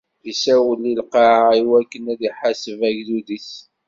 Isawel i lqaɛa, iwakken ad iḥaseb agdud-is.